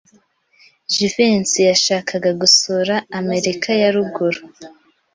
Jivency yashakaga gusura Amerika ya ruguru.